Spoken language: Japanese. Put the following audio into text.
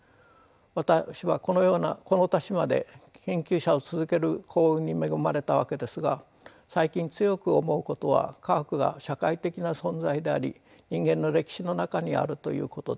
私はこのようなこの年まで研究者を続ける幸運に恵まれたわけですが最近強く思うことは科学が社会的な存在であり人間の歴史の中にあるということです。